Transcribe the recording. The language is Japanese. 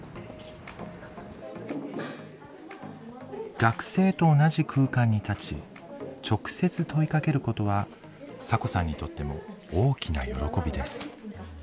学生と同じ空間に立ち直接問いかけることはサコさんにとっても大きな喜びです。